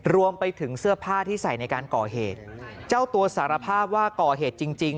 รวมไปถึงเสื้อผ้าที่ใส่ในการก่อเหตุเจ้าตัวสารภาพว่าก่อเหตุจริงจริง